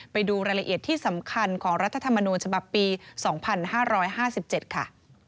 ไปดูรายละเอียดที่สำคัญของรัฐธรรมนูญฉบับปี๒๕๕๗ค่ะ